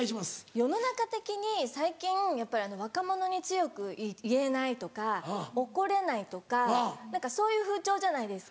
世の中的に最近やっぱりあの若者に強く言えないとか怒れないとか何かそういう風潮じゃないですか。